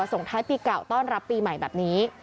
ส่งท้ายปีเก่าต้อนรับปีใหม่แบบนี้